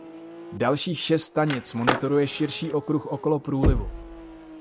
Dalších šest stanic monitoruje širší okruh okolo průlivu.